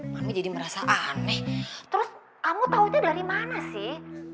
kami jadi merasa aneh terus kamu taunya dari mana sih